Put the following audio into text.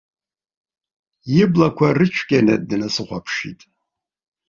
Иблақәа рыцәгьаны днасыхәаԥшит.